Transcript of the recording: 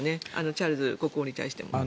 チャールズ国王に対しても。